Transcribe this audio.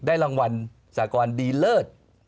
ได้จะรางวัลสากรดีเลิศ